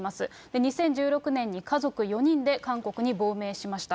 ２０１６年に、家族４人で韓国に亡命しました。